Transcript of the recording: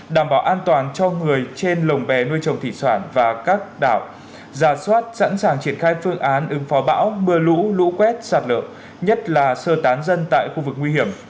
đảm bảo an toàn cho người trên lồng bè nuôi trồng thủy sản và các đảo giả soát sẵn sàng triển khai phương án ứng phó bão mưa lũ lũ quét sạt lở nhất là sơ tán dân tại khu vực nguy hiểm